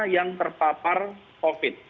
yang terpapar covid